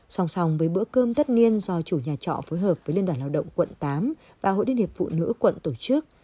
song song với bữa cơm tất niên do chủ nhà trọ phối hợp với liên đoàn lao động quận tám và hội liên hiệp phụ nữ quận tổ chức